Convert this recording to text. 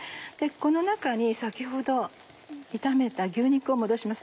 この中に先ほど炒めた牛肉を戻します。